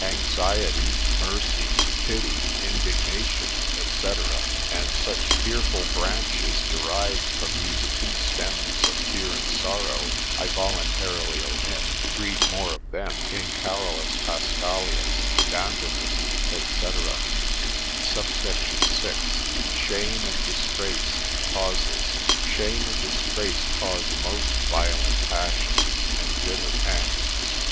Anxiety, mercy, pity, indignation, &c., and such fearful branches derived from these two stems of fear and sorrow, I voluntarily omit; read more of them in Carolus Pascalius, Dandinus, &c. SUBSECT. VI.—Shame and Disgrace, Causes. Shame and disgrace cause most violent passions and bitter pangs.